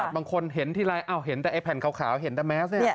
บางคนเห็นทีไรเห็นแต่ไอแผ่นขาวเห็นแต่แมสเนี่ย